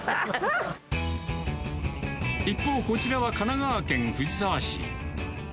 一方、こちらは神奈川県藤沢市。